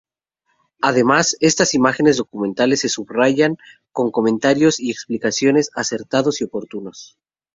Además, estas imágenes documentales se subrayan con comentarios y explicaciones acertados y oportunos.